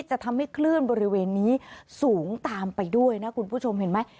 จะทำให้คลื่นบริเวณนี้สูงตามไปด้วยนะคุณผู้ชมเห็นไหม